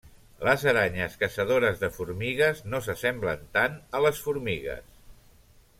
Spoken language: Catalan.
Les aranyes caçadores de formigues no s'assemblen tant a les formigues.